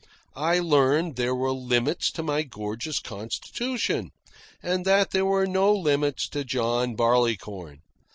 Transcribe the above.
I learned there were limits to my gorgeous constitution, and that there were no limits to John Barleycorn.